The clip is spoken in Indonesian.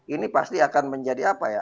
ini pasti akan menjadi apa ya